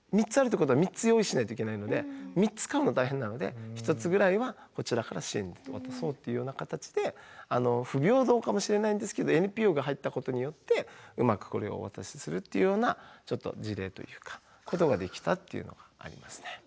３つあるっていうことは３つ用意しないといけないので３つ買うのは大変なので１つぐらいはこちらから支援して渡そうっていうような形で不平等かもしれないんですけどＮＰＯが入ったことによってうまくこれをお渡しするっていうようなちょっと事例というかことができたっていうのがありますね。